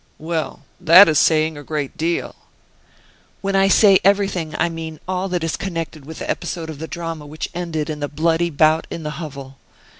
"Well, that is saying a great deal!" "When I say everything, I mean all that is connected with the episode of the drama which ended in that bloody bout in the hovel.